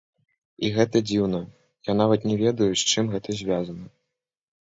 І гэта дзіўна, я нават не ведаю, з чым гэта звязана.